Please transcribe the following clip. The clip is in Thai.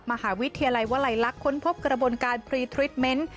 มหาวิทยาลัยวลัยลักษณ์ค้นพบกระบวนการพรีทริปเมนต์